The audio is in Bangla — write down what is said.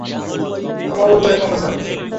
আমারও তা-ই মনে হয়।